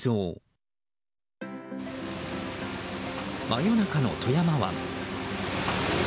真夜中の富山湾。